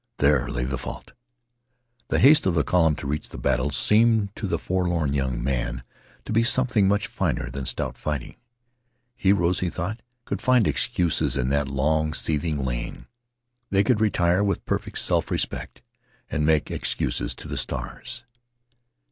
There lay the fault. The haste of the column to reach the battle seemed to the forlorn young man to be something much finer than stout fighting. Heroes, he thought, could find excuses in that long seething lane. They could retire with perfect self respect and make excuses to the stars.